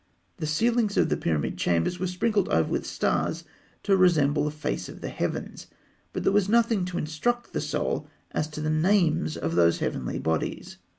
The ceilings of the pyramid chambers were sprinkled over with stars to resemble the face of the heavens; but there was nothing to instruct the Soul as to the names of those heavenly bodies.